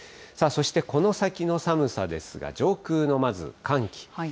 そしてこの先の寒さですが、上空のまず寒気。